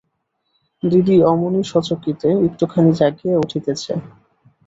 দিদি অমনি সচকিতে একটুখানি জাগিয়া উঠিতেছে।